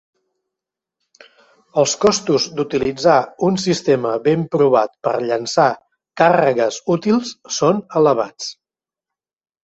Els costos d'utilitzar un sistema ben provat per llançar càrregues útils són elevats.